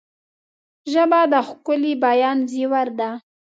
ژبه د ښکلي بیان زیور ده